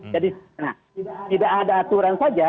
jadi tidak ada aturan saja